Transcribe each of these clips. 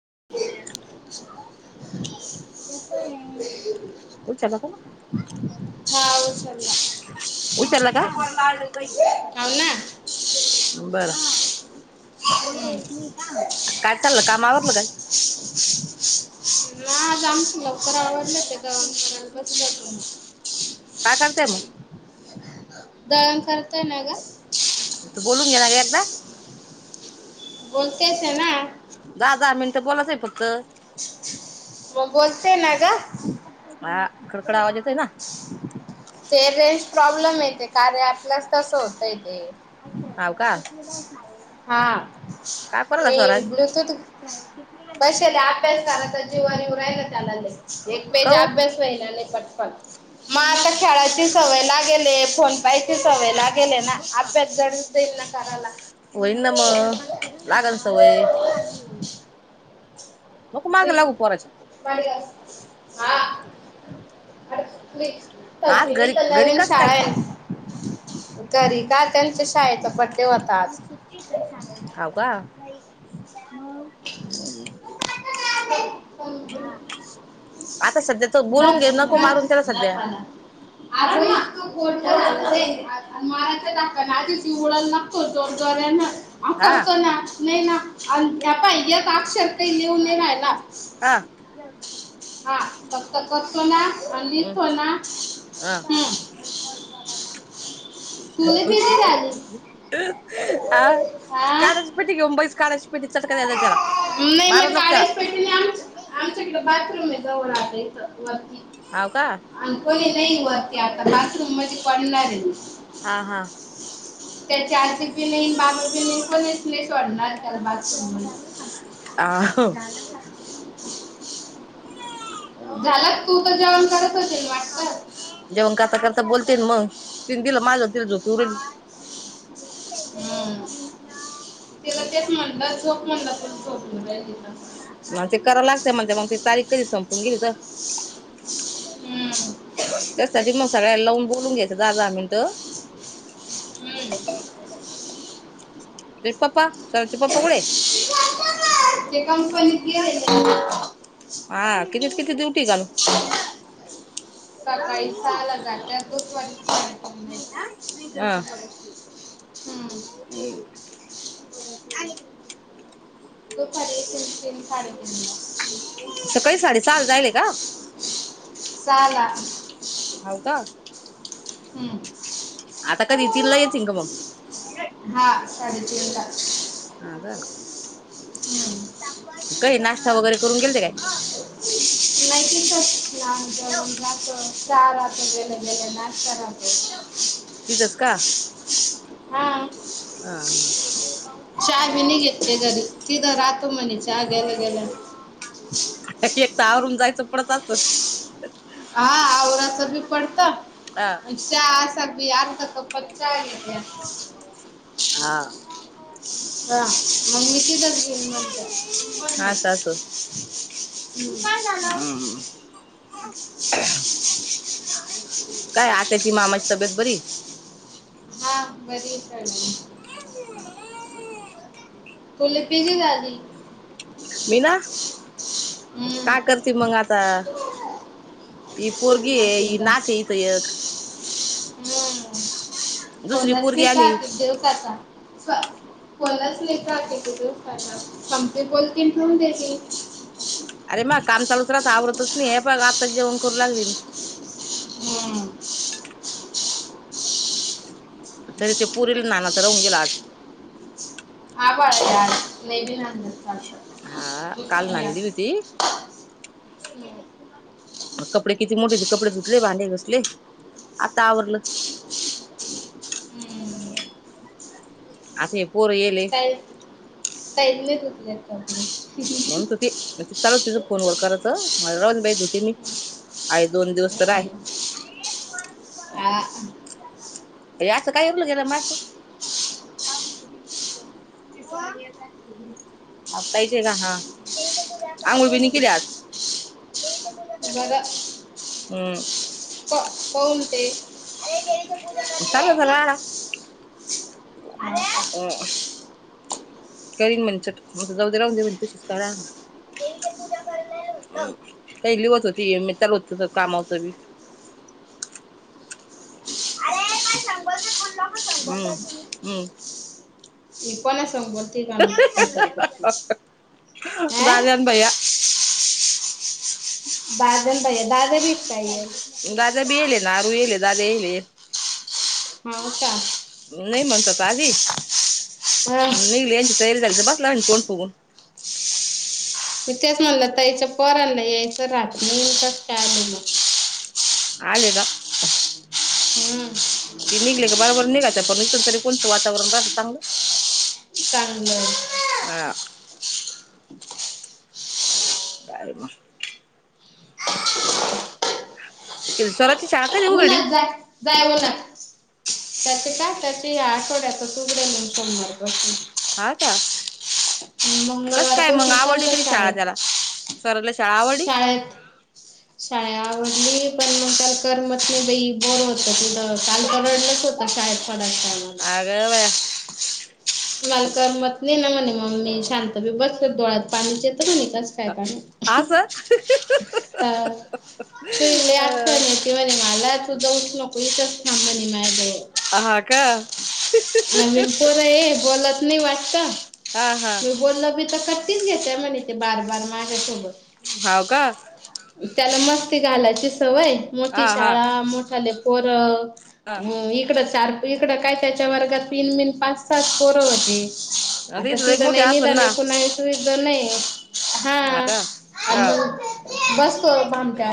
ह उचलला का काऊ उचलला का ना बर का काय चाललं काम आवरलं काय हाजमच लवकर ते दळण करायला बसलो तुम्ही काय करतेय मग दळम करतय ना ग तू बोलून घे ना ग एकदा बोलतेस ना जा जा मिनट तर बोलाच होत मग बोलते ना ग ह कडकडा आवाजेतोय ना ते रेंज प्रॉब्लेम येते कार्य आपल्यास तसं होतय ते मला हा मी स्वराज ब्लुटूथ बसले अभ्यास क जीवा रायला त्या एक पेज काऊन अभ्यास वहिलाने पटपट मग आता खेळाची सवय लागेले फन पाहिजे सवयला गेले ना आप्यात जडच देईल ना करायला होईन ना मग लागल सवय नको माग लागू पोराच्या पा हा अच ह आज घरी तर घरी नवीन कस शाळा काय आहे घरी का त्यांचं शाळेचा पट ह का नाहीई आता सध्या तो बोलून घेऊ नको मारून त्याला सध्या महा ा तो दोन दार आहे ना अ हा करतो ना नाही ना. अ या पाहि्यात अक्षर काही लिहून नाही राहिला. हा हा फक्त करतो ना आणि हम् लिहितो ना. हा. हम्म तुला भीती झाली आ हा कड्याची पेटी घेऊन बैस काड्यांची. नाही मग त्याला. कड्याच्या पेटी नाही आम आमच्याकडे बाथरूम आहे जवळ इथ. वरती हाव का? आणि कोणी नाही वरती आता बाथरूम मध्ये पडणार ह [inaudible] हा हा. त्याची आजी बी नाही बाबा बी नाही कोनीच नाही सोडणार त्याला. बाथरूम मध्ये आ. हो. [inaudible] झाला का तू तर जेवण करत च ये. जेवण करता करता बोल. मग तिने दिलं माझ तिला झोप येऊ राहिली. तिला तेच म्हणलं झोप म्हणलं पण झोपून राहिली तर. कराव लागत म्हणत मग ते तारीख कधी संपून गेली तर. हम्म त्यासाठी मग सगळ्या लावून बोलून घ्यायच. दहा दहा मिनिटं. हम्म. तेचे पप्पा सौरभ चे पप्पा कुठेय? ते कंपनीत गेलेले. हा कितीत किती देऊ?? [inaudible] सकाळी सहा ला जात्यात डोन्ट वरी. हा. [inaudible] दुपारी येतील ते साडे तीनला. सकाळी साडेसहाला जायले [inaudible] सहाला हौ का हम्म आता कधी तीन ला येतील का मग हा साडेतीन आ का [unintelligible] [unintelligible] काही नाश्ता वगैरे करून गेल ते काय ठीक लाल जास्वंद चहतेे गेले गेले नाच राहतो जितस का हा हा हा चहा बी नि घेतली घरी तिथं राहतो म्हणे चहा गेला गेलं तावरून जायचं पडत असल् आ आवरा त्ी पडता हा चहा असा पी आता का तप्पत चा घेत्या हा हा मग असं असं मी हम्म [unintelligible] काय आत्याची मामाची तब्येत बरी हा बरी चाले [unintelligible] तु लिपीचीी गादी मी ना हम्म. का करते मग आता ही पोरगी ये ही माहिती का? नाच इथ एक हम्म दुसरी कोणच पोरगी नाही का आली दिवसाचा कोलाचले का ति संमप बोलते फून देते अरे म काम चालू दुसात आवरतच नाही हे प आत्ता जेवण करू लागली मी हमम तरी ते पुरेील ना ना तर राहून गेला आज आ आ नाही भ ना हा काल ना दि हम्म. मग कपडे किती मोठे हो कपडे धुतले भांडे घासली आता आवरलं हम्म. आता पोर येले काय? [unintelligible] म्हणत होती [unintelligible] फोनवर करायच मला राहूदे बाई [unintelligible] मी आहे दोन दिवस तर हाय. हम्म. हा हे असं काय [unintelligible] आंघोळ बी नाई केली आज. बरं [unintelligible] [unintelligible] [unintelligible] चालू झाला [unintelligible] हा का जाऊ दे राहू दे [unintelligible] तशीच करा [unintelligible] काही लिहत होती [unintelligible] अरे पण [unintelligible] [unintelligible] [inaudible] दाद्या अन भैय्या. दाद्या अन भैय्या दा दादा बी येलेत. नारू येले दादे येले. हो का? नाही म्हनच त आधी. अं, लई लयांची तयारी झाली. बसलाय अन् तोंड फुगून. मी तेच म्हटलं ताईच्या पोरानला यायचं राहत न्हाई, कस काय आलं म? आले जा. हम्म ती निघली का बरोबर निघायचं पण इथं तरी कोणचं वातावरण राहतं चांगलं? चांगलं हा. बाय गं. किर स्वराची शाळा कधी उघडी जा जा जायहो ना. का आता ते या आठवड्यात तुगड्या ल सो मार बस हा का? कस मंगळवार काय मग पसुन आवडली चाललं कधी शाळा शाळेत, त्याला स्वराला शाळा आवडली शाळेत, शाळा आवडली पण मग त्याला करम पत नाही बई, बोर होत तीतं, काल तर रडलंच होतं शाळेत. पडस्तर मारलं, अग बया न्हाई करमत. नी न मणे ममी शांत बी बसले डोळ्यात पाणीचे बसूली कस काय कामी, अस तूले [unintelligible] म्हनाला तू जाऊच नको इथं अ. हा. का. नवीन पोर आहे बोलात. नाही वाटता. हा हा तु बोलला तर कटीच घेते म्हण. ते बार-बार मागे सोबत हव का. त्याला मस्त घालायची. सवय मोठी हा हा शाळा. मोठा [unintelligible] पोरं. हा हम् इकडं चार. इकडं काय त्याच्या वर्गात इन-मिन पाच-सात पोरं होती. आता ते तीत मोठे नाही निदान कुणाची नाही. हां का हां. बसतो भामट्या.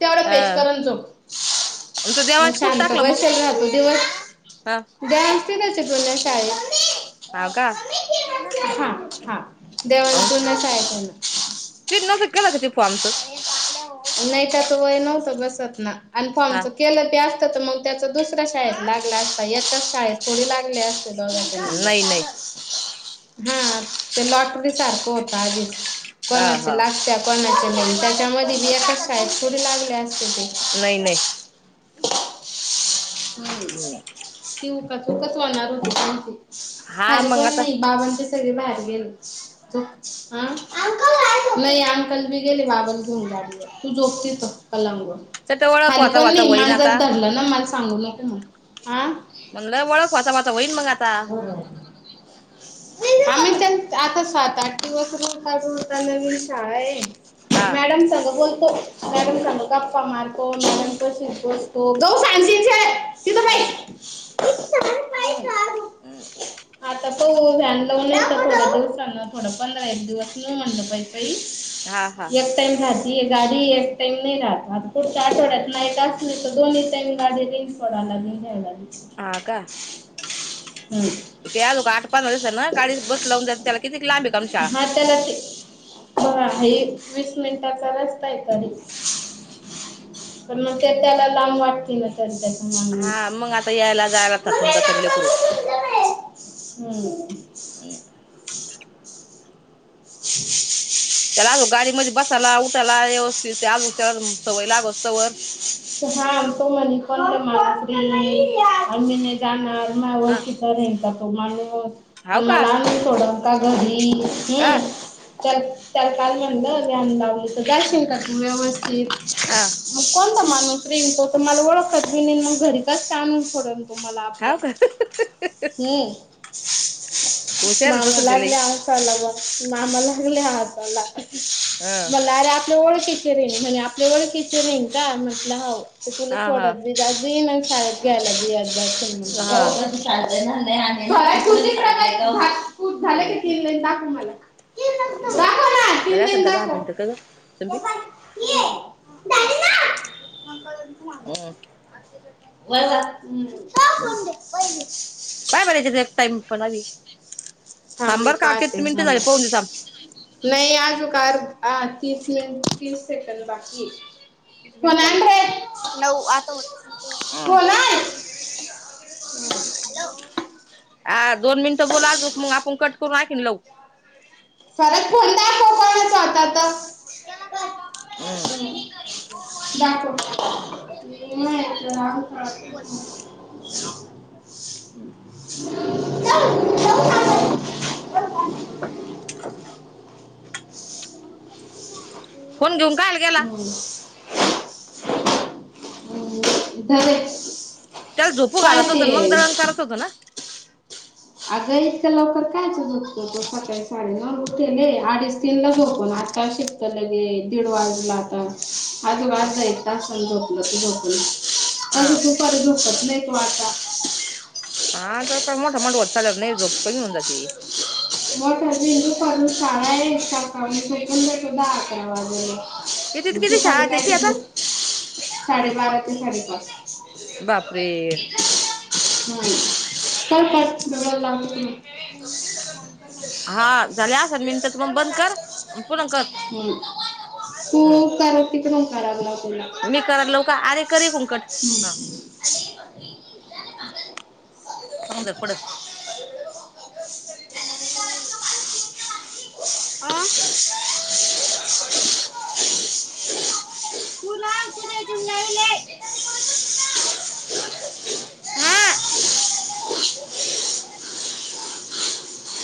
तेवढं पेच कर अन् हा झोप. तो मग देवांश कुठ शांत टाकला मग बसेल राहातो दिवस. द्या. कुणाच्यात बोलावलंय शाळेत? हाव का हा हा हो. देवांतूनच आहे त्यांना हो आमचं. नाही त्याच तर वय नव्हतं बसत ना. आणि हा फॉर्मच केलं त्यात. त्याच मग त्या दुसऱ्या शाळेत लागला असता. याच्या शाळेत थोडी लाग ले असते दोघाचे नंबर. नाही नाही हां ते लॉटरी सारखं होत आधीच. हा कोणाचे हा लागत्या कोणाचे नाही त्याच्यामुळे दिदि-आता शाळेत थोडी लागले असते ते. नाही नाही हम्म. ठिऊ का? तू कसं होणार होती सांग की. हा खाली मग पण आता नाही बाबांच्या सगळी बाहेर गेले झोप. नाही अंकल बी गेले बाबला घेऊन गाडीवर तू जोप तिथं पलंगावर. चट ओळख खाली वाता कोण वाता नाही होईन मांजर आता धरलं ना माझ सांगू नको मग. आ म्हणला वळख व्हता व्हता व्हईल मग आ [unintelligible] आम्ही त्यां आता सात आठ [inaudible] दिवस सोडून काय नवीन शाळा आहेय. हा मॅडम संग बोलतो मॅडम हा संग गप्पा मार हो मॅडमपशीच बसतो गहू सांडशील सरक. हां. [inaudible] आता हो व्हॅन लावून नाही तर थोड्या दिवसांना थोडं पंधरा एक दिवस न म्हणलं हा हा पाहिजे. एक टाइम हात गाडी एक टाइम नाही राहत. आता पुुठच्या आठवड्यात नाहीट असली तर दोन्ही टाईम गाडी रिं पडा लागे घ्याय लागली. हा का हम्म. ते अजोबा ना आठ पंधरा दिसन गाडीत बस लावून जा त्याला किती लांबी हा त्याला ते ह हे वीस मिनिटाचा रस्ता आहे तरी पण मग ते त्याला लांब वाटतील ना त्यां त्या हा मग आता यायला जायला थकून जातात लेकरू हम. [inaudible] [inaudible] त्याला अहो गाडीमध्ये बसायला उठायला. व्यवस्थित अजून त्याला सवय लागूसतवर हां तोम कोणते मम्मी मी नाही जाणार. [inaudible] हा का तो हाव आणि का मला आण थोडं कागदी का हम् चल त्याला काल म्हणलं ल्यान लावायचं जाय [inaudible] हा मग कोण माणूस रेन तो मला ओळखत मी मग घरीच [inaudible] तमला आपल्या हाव का हम्. ह हुशार आहे मामा तसं ते लागले लई हसायला बघा. मामा लागले हसायला. हा [inaudible] अरे आपल्या [inaudible] किचन आहे म्हणे आपल्या व किचन आहे. ग म्हटलं हव. तर तुला हा हा थोडत बि जा [inaudible] [inaudible] [inaudible] हा [inaudible] [inaudible] [inaudible] [inaudible] झालं क हम्म तीन लाईन दाखवू मला ती बर दाखव ना तीन झाले असन लाईन का दहा दाखव मिनिटं का ग ह [inaudible] [inaudible] ह् पाय बरच्या ए टाइम पण आ थांब मी सांबर का कती पाहते मिनटं झालं झाली पाहून देत काय ह तीस मि तीस सेकंड बाकी येत इथ मिनटं झाले नऊ आता होतस होलाय हम् हॅलो अ दोन मिनिटं बोलात मग आपण कट पय कनलंव [unintelligible] फरक फण दाखव कोणाचा होता तर हम्म दाखव ह तू बोलत त हम् [inaudible] फोन घेऊ हम इदर त्याला झोपू घालायत होत मग दळंग करात होतो ना अगं इतकं लवकर कायच झोपतो तो सकाळी साडे नऊले अडीच तीन ला झोपून आठता शिपत लगे दीड वाज ता अ वार्य ना स लकी ब आप [unintelligible] अज हा तूपारी दोखात नाही माारचा हा तर काय मोठा मोठ वत चाल नाही झोप कमी होऊन जाते म अजुजून शार आहेकाका फेकून देतो दहा अकरा वाजेला किती मग किती दुपारी शाळा काय त्याची ते आता झोप साडेबारा ते साडेपाच बापरे होम् काय पाठ बळाला लागत हा झाले असल मिनट मग बंद कर पुन्हा कर हम् तू कर तिकडून करावं लाव तुला हम्म. मी कर लवकर अरे करी कुंकट हा [inaudible] चंद पुड आह तू ना तुझ्या जनावेलाय हा